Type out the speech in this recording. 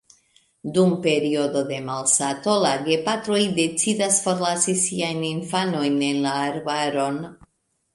Dum periodo de malsato, la gepatroj decidas forlasi siajn infanojn en la arbaron.